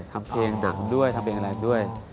ทำเพลงหนังด้วยทำเพลงอะไรด้วย